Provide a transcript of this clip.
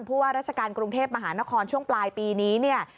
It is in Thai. เพราะว่าราชการกรุงเทพมหานครช่วงปลายปีนี้